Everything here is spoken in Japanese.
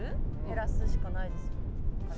減らすしかないですかね？